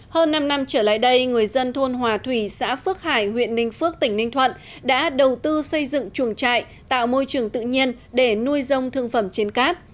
hơn năm năm trở lại đây người dân thôn hòa thủy xã phước hải huyện ninh phước tỉnh ninh thuận đã đầu tư xây dựng chuồng trại tạo môi trường tự nhiên để nuôi dâm thương phẩm trên cát